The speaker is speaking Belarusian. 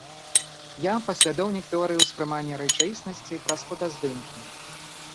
Я паслядоўнік тэорыі ўспрымання рэчаіснасці праз фотаздымкі.